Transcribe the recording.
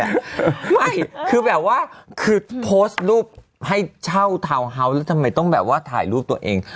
ไม่คือแบบว่าคือโพสต์รูปให้เช่าทาวน์เฮาส์แล้วทำไมต้องแบบว่าถ่ายรูปตัวเอง